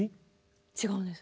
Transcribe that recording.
違うんです。